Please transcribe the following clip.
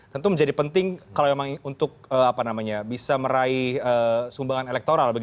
tentu menjadi penting kalau memang untuk bisa meraih sumbangan elektoral